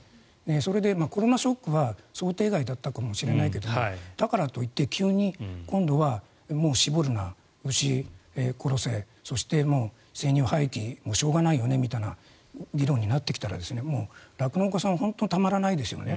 それでコロナショックは想定外だったかもしれないけどだからといって急に今度は、もう搾るな牛を殺せ、そして生乳廃棄しょうがないよねみたいな理論になってきたらもう酪農家さんは本当にたまらないですよね。